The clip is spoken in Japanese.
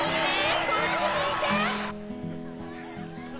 こっち向いて！